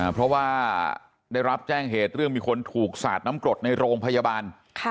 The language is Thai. เพราะว่าได้รับแจ้งเหตุเรื่องมีคนถูกสาดน้ำกรดในโรงพยาบาล